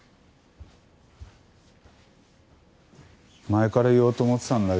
前から言おうと思ってたんだけどさ